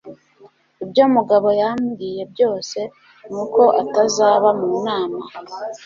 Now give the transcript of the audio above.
Ibyo Mugabo yambwiye byose ni uko atazaba mu nama.